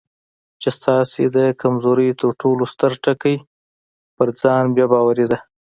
چې ستاسې د کمزورۍ تر ټولو ستر ټکی پر ځان بې باوري ده.